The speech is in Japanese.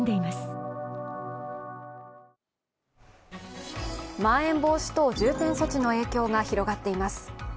まん延防止等重点措置の影響が広がっています。